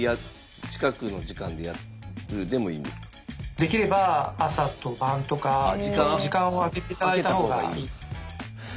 できれば朝と晩とか時間を空けていただいた方が。